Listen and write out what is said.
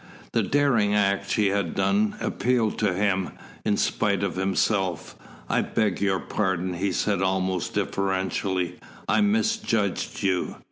The daring act she had done appealed to him, in spite of himself. "I beg your pardon," he said almost deferentially. "I misjudged you."